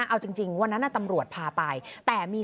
ชาวบ้านญาติโปรดแค้นไปดูภาพบรรยากาศขณะ